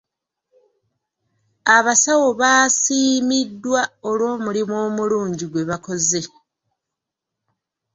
Abasawo baasiimiddwa olw'omulimu omulungi gwe bakoze.